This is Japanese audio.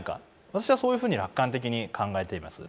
私はそういうふうに楽観的に考えています。